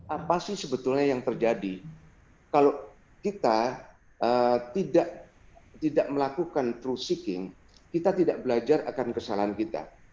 apa sih sebetulnya yang terjadi kalau kita tidak melakukan trust seaking kita tidak belajar akan kesalahan kita